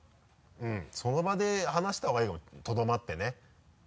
その場で話したほうがいいかもとどまってね。